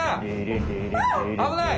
危ない！